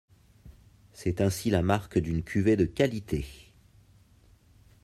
C'est ainsi la marque d'une cuvée de qualité.